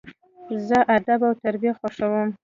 زه ادب او تربیه خوښوم.